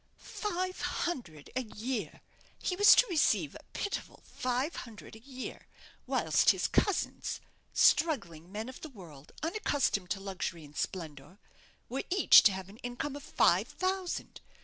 Five hundred a year! he was to receive a pitiful five hundred a year; whilst his cousins struggling men of the world, unaccustomed to luxury and splendour were each to have an income of five thousand.